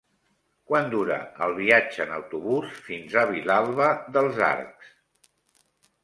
Quant dura el viatge en autobús fins a Vilalba dels Arcs?